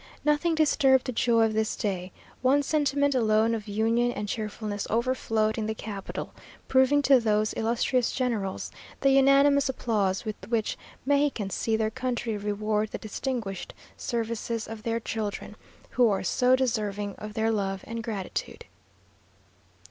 Nothing disturbed the joy of this day; one sentiment alone of union and cheerfulness overflowed in the capital, proving to those illustrious generals the unanimous applause with which Mexicans see their country reward the distinguished services of their children, who are so deserving of their love and gratitude."